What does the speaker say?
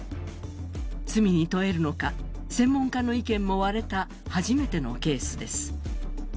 罪に問えるのか、専門家の意見も割れた、初めてのケースです。